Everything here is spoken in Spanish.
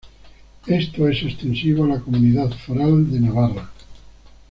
Esto es extensivo a la Comunidad Foral de Navarra.